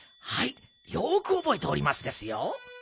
はいよくおぼえておりますですよ」。